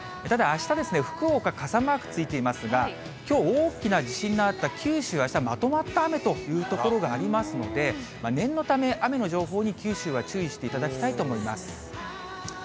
ただ、あした、福岡、傘マークついていますが、きょう、大きな地震のあった九州はあした、まとまった雨という所がありますので、念のため、雨の情報に九州は注意していただきたいと思います。